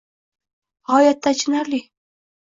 G'oyatda achinarli.